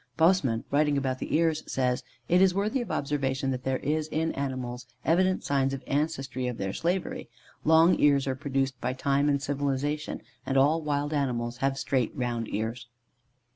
Bosman, writing about the ears, says: "It is worthy of observation, that there is in animals evident signs of ancestry of their slavery. Long ears are produced by time and civilization, and all wild animals have straight round ears."